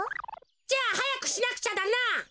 じゃあはやくしなくちゃだな！